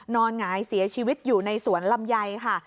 หงายเสียชีวิตอยู่ในสวนลำไยค่ะ